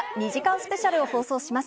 スペシャルを放送します。